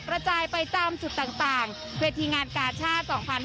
กระจายไปตามจุดต่างเวทีงานกาชาติ๒๕๕๙